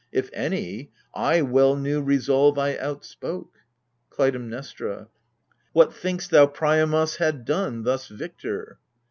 If any, /well knew resolve I outspoke. KLUTAIMNESTRA. What think'st thou Priamos had done, thus victor?